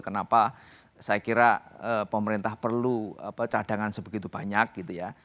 kenapa saya kira pemerintah perlu cadangan sebegitu banyak gitu ya